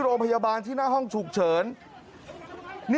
โรงพยาบาลที่หน้าห้องฉุกเฉิน